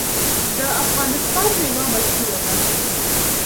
د افغانستان میوه مشهوره ده.